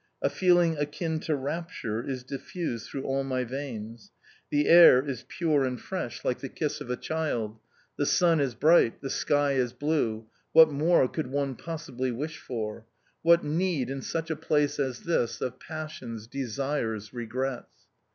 A feeling akin to rapture is diffused through all my veins. The air is pure and fresh, like the kiss of a child; the sun is bright, the sky is blue what more could one possibly wish for? What need, in such a place as this, of passions, desires, regrets?